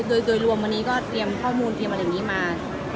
โดยรวมวันนี้ก็เตรียมข้อมูลเตรียมอะไรอย่างนี้มา